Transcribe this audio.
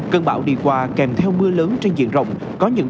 cơn bão đi qua kèm theo mưa lớn trên diện rộng